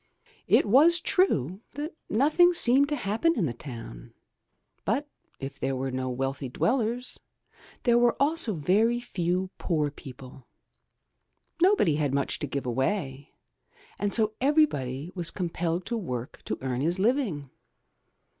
It was true that nothing seemed to happen in the town, but if there were no wealthy dwellers, there were also very few poor people. Nobody had much to give away, and so everybody was compelled to work to earn his living.